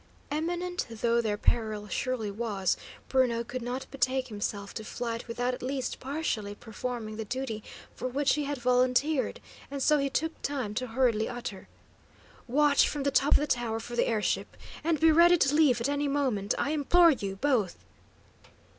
Imminent though their peril surely was, Bruno could not betake himself to flight without at least partially performing the duty for which he had volunteered; and so he took time to hurriedly utter: "Watch from the top of the tower for the air ship, and be ready to leave at any moment, I implore you both!"